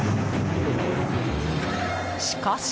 しかし。